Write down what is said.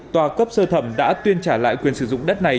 tòa cấp sơ thẩm đã tuyên trả lại quyền sử dụng đất này